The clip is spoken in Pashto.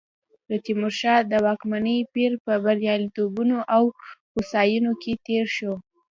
د تیمورشاه د واکمنۍ پیر په بریالیتوبونو او هوساینو کې تېر شو.